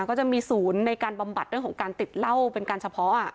ก็จะมีศูนย์ในการบำบัดเรื่องของการติดเหล้าเป็นการเฉพาะ